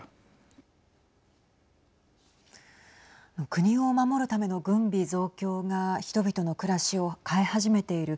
国を守るための軍備増強が人々の暮らしを変え始めている。